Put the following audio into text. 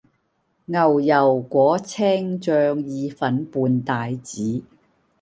牛油果青醬意粉伴帶子